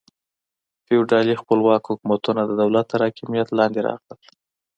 فیوډالي خپلواک حکومتونه د دولت تر حاکمیت لاندې راغلل.